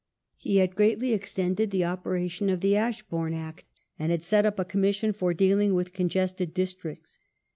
He had greatly extended the operation of the Ashbourne Act, and had set up a Commission for dealing with congested districts.